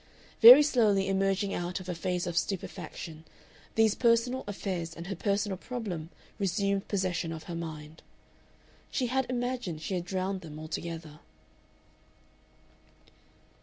Very slowly emerging out of a phase of stupefaction, these personal affairs and her personal problem resumed possession of her mind. She had imagined she had drowned them altogether.